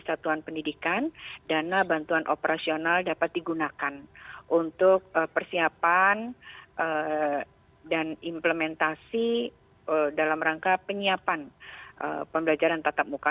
dan juga untuk pendidikan dana bantuan operasional dapat digunakan untuk persiapan dan implementasi dalam rangka penyiapan pembelajaran tatap muka